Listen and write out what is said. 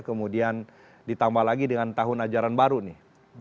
kemudian ditambah lagi dengan tahun ajaran baru nih